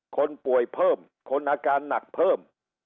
คนป่วยเพิ่มคนอาการหนักเพิ่ม